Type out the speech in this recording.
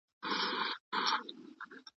ولي هوډمن سړی د وړ کس په پرتله هدف ترلاسه کوي؟